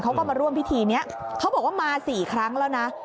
เขาก็มาร่วมพิธีนี้เขาบอกว่ามา๔ครั้งแล้วนะ